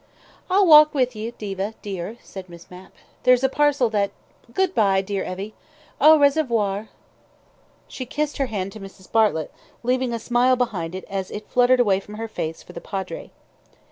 "I'll walk with you, Diva, dear," said Miss Mapp. "There's a parcel that Good bye, dear Evie, au reservoir." She kissed her hand to Mrs. Bartlett, leaving a smile behind it, as it fluttered away from her face, for the Padre.